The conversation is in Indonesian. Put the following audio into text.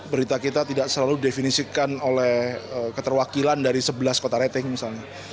berita kita tidak selalu didefinisikan oleh keterwakilan dari sebelas kota rating misalnya